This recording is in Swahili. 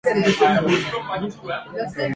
wamehamasika na fursa zitakazoletwa na kujiunga huko